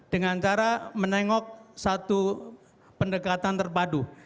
dengan cara menengok satu pendekatan terpadu